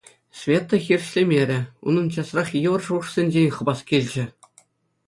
Света хирӗҫлемерӗ. Унӑн часрах йывӑр шухӑшсенчен хӑпас килчӗ.